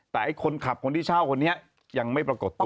แต่ไอ้คนขับคนที่เช่าคนนี้ยังไม่ปรากฏตัว